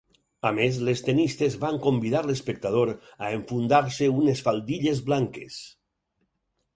A més, les tenistes van convidar l’espectador a enfundar-se unes faldilles blanques.